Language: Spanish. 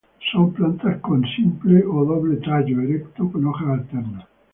Son plantas con simple o doble tallo erecto con hojas alternas.